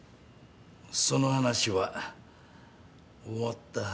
その話は終わったはずだ。